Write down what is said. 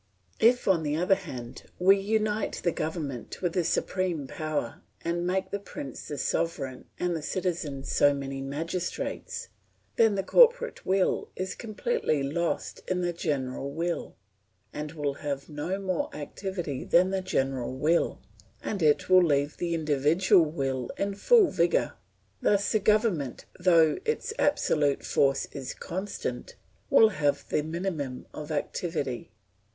If, on the other hand, we unite the government with the supreme power, and make the prince the sovereign and the citizens so many magistrates, then the corporate will is completely lost in the general will, and will have no more activity than the general will, and it will leave the individual will in full vigour. Thus the government, though its absolute force is constant, will have the minimum of activity.